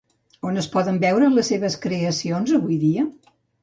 On es poden veure les seves creacions avui dia?